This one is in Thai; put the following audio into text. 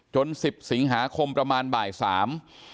สิบสิงหาคมประมาณบ่ายสาม